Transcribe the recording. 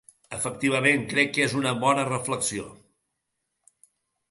Efectivament, crec que és una bona reflexió.